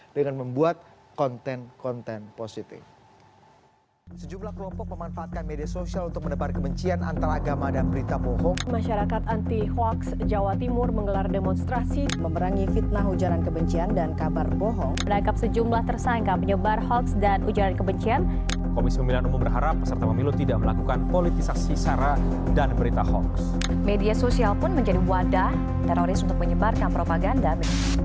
dengan membuat konten konten positif